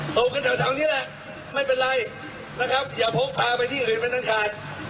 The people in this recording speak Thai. โรคกันเฉานี้แหละไม่เป็นไรอย่าพกพาไปที่อื่นไปนั้นขาด